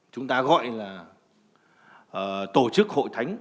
chúng ta gọi là tổ chức hội thánh